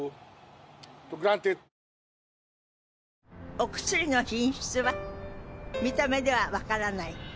お薬の品質は見た目では分からない。